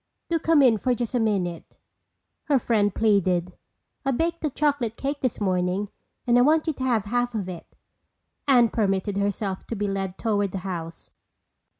"Do come in for just a minute," her friend pleaded. "I baked a chocolate cake this morning and I want you to have half of it." Anne permitted herself to be led toward the house.